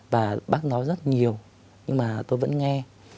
và bác nói rất nhiều nhưng mà tôi vẫn nghe